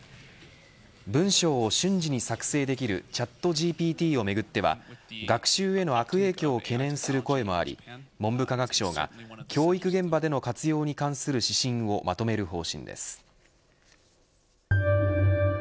文章を瞬時に作成できるＣｈａｔＧＰＴをめぐっては学習への悪影響を懸念する声もあり文部科学省が教育現場での活用に関する指針をまとめる方針です。